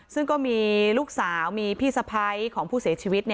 ซึ่งก็มีลูกสาวมีพี่สะพ้ายของผู้เสียชีวิต